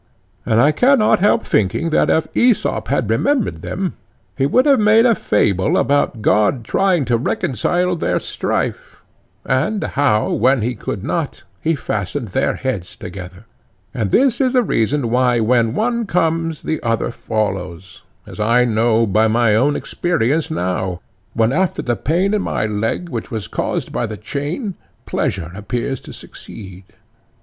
And I cannot help thinking that if Aesop had remembered them, he would have made a fable about God trying to reconcile their strife, and how, when he could not, he fastened their heads together; and this is the reason why when one comes the other follows, as I know by my own experience now, when after the pain in my leg which was caused by the chain pleasure appears to succeed.